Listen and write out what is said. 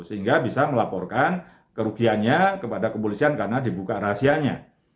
sehingga bisa melaporkan kerugiannya kepada kepolisian karena dibuka rahasianya